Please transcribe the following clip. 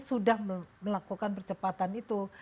sudah melakukan percepatan itu